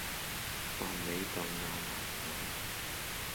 但你就鬧埋我